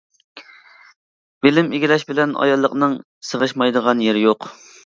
بىلىم ئىگىلەش بىلەن ئاياللىقنىڭ سىغىشمايدىغان يېرى يوق.